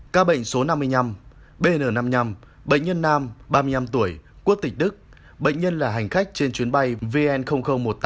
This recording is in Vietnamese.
ca bệnh số năm mươi năm bn năm mươi năm bệnh nhân nam ba mươi năm tuổi quốc tịch đức bệnh nhân là hành khách trên chuyến bay vn một mươi tám